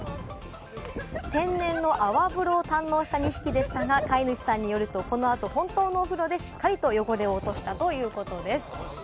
天然の泡風呂を堪能した２匹でしたが、飼い主さんによると、このあと本当のお風呂でしっかりと汚れを落としたということです。